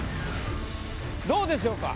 どうでしょうか？